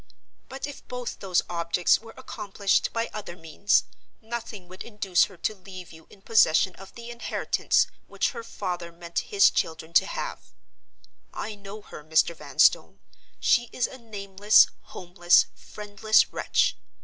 But if both those objects were accomplished by other means, nothing would induce her to leave you in possession of the inheritance which her father meant his children to have. I know her, Mr. Vanstone! She is a nameless, homeless, friendless wretch.